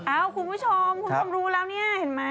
อ้าวคุณผู้ชมคุณควรรู้แล้วนี่เห็นไหมครับ